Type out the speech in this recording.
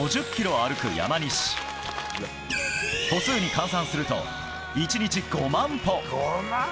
歩数に換算すると１日５万歩。